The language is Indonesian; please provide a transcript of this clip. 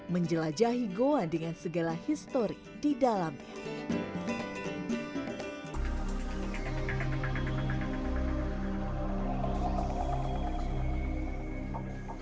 menjelajahi goa dengan segala histori di dalamnya